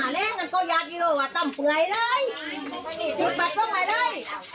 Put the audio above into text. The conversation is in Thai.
เราก็ไม่ได้มันออกให้ที่นี้มันไม่ได้นะคะ